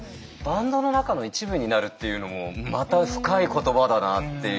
バンドの中の一部になるっていうのもまた深い言葉だなっていう。